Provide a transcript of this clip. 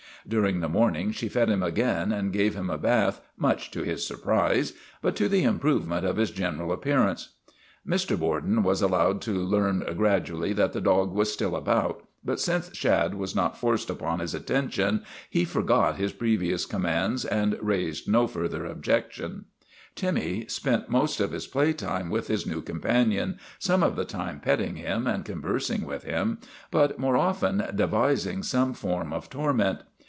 During the morning she fed him again and gave him a bath, much to his surprise, but to the improvement of his general appearance. Mr. Borden was allowed to learn gradually that the dog was still about, but since Shad was not 200 THE REGENERATION OF TIMMY forced upon his attention he forgot his previous commands and raised no further objection. Timmy spent most of his play time with his new companion, some of the time petting him and conversing with him, but more often devising some form of torment.